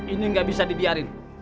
ini nggak bisa dibiarin